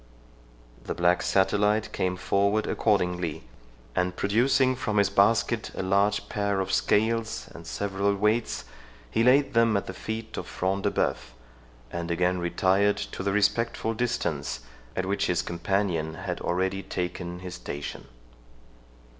The black satellite came forward accordingly, and, producing from his basket a large pair of scales and several weights, he laid them at the feet of Front de Bœuf, and again retired to the respectful distance, at which his companion had already taken his station.